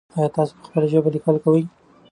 ایا تاسو په خپله ژبه لیکل کوئ؟